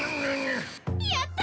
やった！